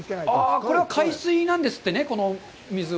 これは海水なんですってね、水は。